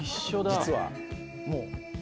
実はもう。